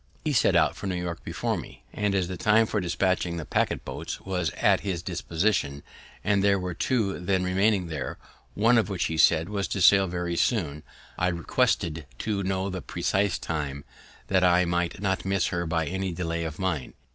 He set out for New York before me; and, as the time for dispatching the packet boats was at his disposition, and there were two then remaining there, one of which, he said, was to sail very soon, I requested to know the precise time, that I might not miss her by any delay of mine.